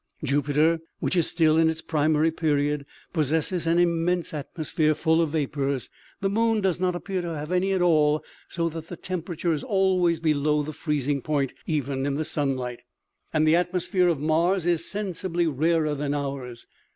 Jupiter, which is still in its primary period, possesses an immense atmosphere full of vapors. The moon does not appear to have any at all, so that the temperature is al ways below the freezing point, even in the sunlight, 104 O M E G A . and the atmosphere of Mars is sensibly rarer than ours.